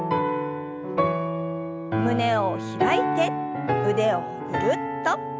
胸を開いて腕をぐるっと。